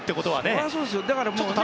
そりゃそうですよ。